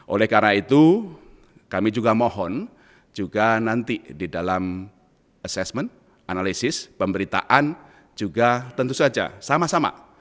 oleh karena itu kami juga mohon juga nanti di dalam asesmen analisis pemberitaan juga tentu saja sama sama